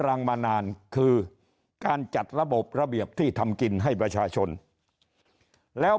รังมานานคือการจัดระบบระเบียบที่ทำกินให้ประชาชนแล้ว